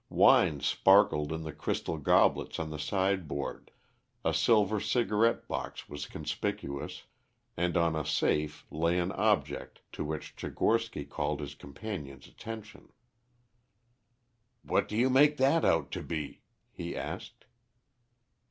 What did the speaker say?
Wines sparkled in the crystal goblets on the sideboard, a silver cigarette box was conspicuous, and on a safe lay an object to which Tchigorsky called his companion's attention. "What do you make that out to be?" he asked.